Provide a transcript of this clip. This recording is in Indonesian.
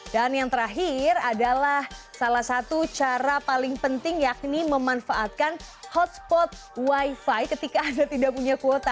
dan yang terakhir adalah salah satu cara paling penting yakni memanfaatkan hotspot wifi ketika anda tidak punya kuota